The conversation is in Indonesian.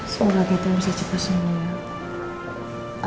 semoga kita bisa cepat semua ya